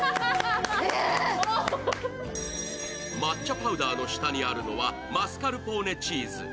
抹茶パウダーの下にあるのはマスカルポーネチーズ。